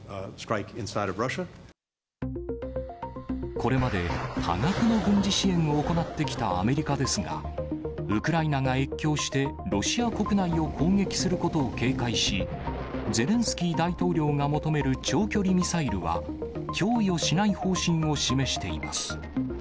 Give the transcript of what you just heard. これまで、多額の軍事支援を行ってきたアメリカですが、ウクライナが越境してロシア国内を攻撃することを警戒し、ゼレンスキー大統領が求める長距離ミサイルは供与しない方針を示しています。